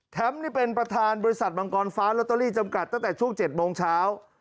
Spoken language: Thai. นี่เป็นประธานบริษัทมังกรฟ้าลอตเตอรี่จำกัดตั้งแต่ช่วง๗โมงเช้า